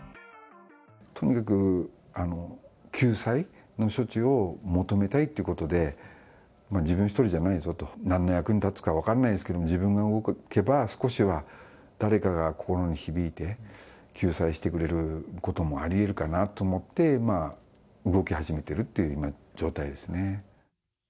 とにかく救済の処置を求めたいってことで、自分一人じゃないぞと、なんの役に立つか分かんないですけども、自分が動けば、少しは誰かが心に響いて救済してくれることもありえるかなと思って、動き始めてるという状態ですね。